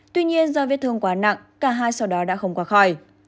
tuy nhiên do vết thương quá nặng cả hai sau đó đã không qua khỏi